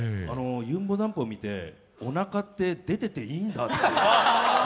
ゆんぼだんぷ見ておなかって出てていいんだって。